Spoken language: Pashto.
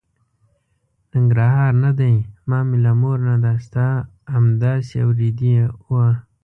ننګرهار نه دی، ما مې له مور نه دا ستا همداسې اورېدې وه.